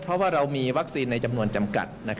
เพราะว่าเรามีวัคซีนในจำนวนจำกัด